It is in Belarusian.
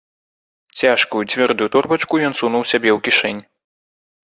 Цяжкую, цвёрдую торбачку ён сунуў сабе ў кішэнь.